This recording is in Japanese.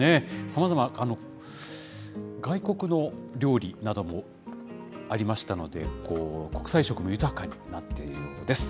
さまざま、外国の料理などもありましたので、国際色も豊かになっているようです。